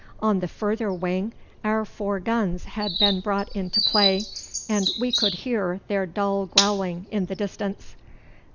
On the further wing our four guns had been brought into play, and we could hear their dull growling in the distance.